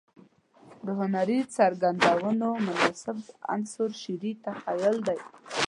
د هنري څرګندونو مناسب عنصر شعري تخيل دى.